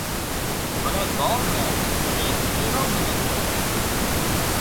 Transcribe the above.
مهوريَ گوم ۾ هيَڪ اهڙو مِنک هيَ۔